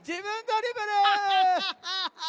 ハハハハハ！